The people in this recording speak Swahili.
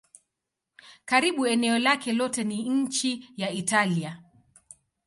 Karibu eneo lake lote ni nchi ya Italia.